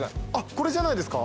これじゃないですか？